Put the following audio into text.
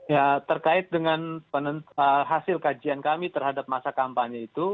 ya terkait dengan hasil kajian kami terhadap masa kampanye itu